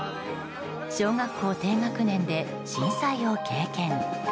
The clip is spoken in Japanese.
小学校低学年で震災を経験。